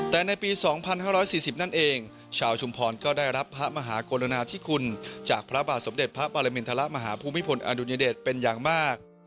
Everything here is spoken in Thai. แต่ในปี๒๕๔๐นั่นเองชาวชุมพรก็ได้รับพระมหากรณาธิคุณจากพระบาทสมเด็จพระปรมินทรมาฮภูมิพลอดุญเดชเป็นอย่างมาก